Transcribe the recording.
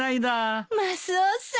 マスオさん。